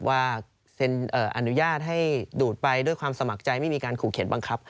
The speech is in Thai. ว่าเซ็นอนุญาตให้ดูดไปด้วยความสมัครใจไม่มีการขู่เข็ดบังคับ